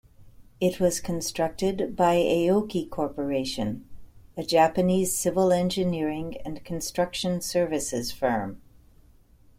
It was constructed by Aoki Corporation, a Japanese civil engineering and construction services firm.